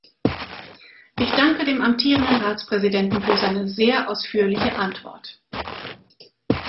Ich danke dem amtierenden Ratspräsidenten für seine sehr ausführliche Antwort.